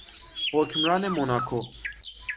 حکمران موناکو